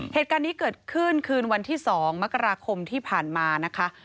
เหตุการณ์นี้เกิดขึ้นคืนวันที่๒มกราคมที่ผ่านมานะคะ